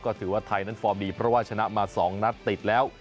ก็ถือว่าไทยนั้นฟอร์มดีเพราะว่าชนะมา๒นัดติดแล้ว